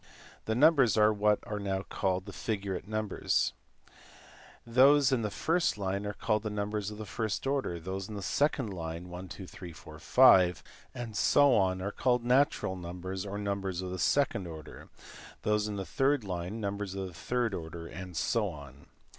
These num bers are what are now called jiyurate numbers. Those in the first line are called numbers of the first order; those in the second line, natural numbers or numbers of the second order; those in the third lino numbers of the third order, and so on.